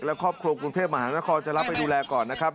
และครอบครัวกรุงเทพมหานครจะรับไปดูแลก่อนนะครับ